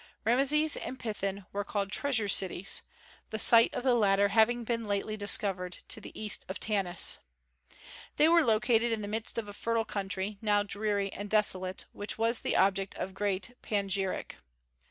Rameses and Pithon were called treasure cities, the site of the latter having been lately discovered, to the east of Tanis. They were located in the midst of a fertile country, now dreary and desolate, which was the object of great panegyric.